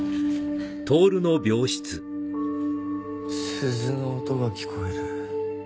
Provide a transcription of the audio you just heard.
鈴の音が聞こえる。